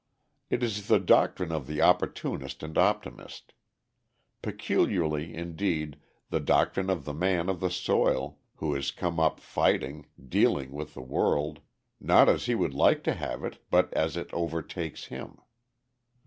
It is the doctrine of the opportunist and optimist: peculiarly, indeed, the doctrine of the man of the soil, who has come up fighting, dealing with the world, not as he would like to have it, but as it overtakes him.